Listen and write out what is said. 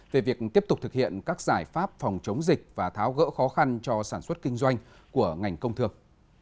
về việc tiếp tục thực hiện các giải pháp phòng chống dịch và tháo gỡ khó khăn cho sản xuất kinh doanh của ngành công thương